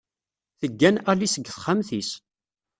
Teggan Alice deg texxamt-is.